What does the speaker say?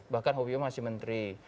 bahkan hopi pah masih menteri